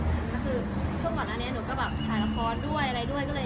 คือช่วงก่อนอันนี้หนูก็ถ่ายละครด้วยอะไรด้วย